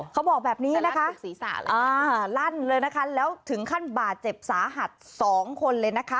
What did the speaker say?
เขาบอกแบบนี้นะคะลั่นเลยนะคะแล้วถึงขั้นบาดเจ็บสาหัสสองคนเลยนะคะ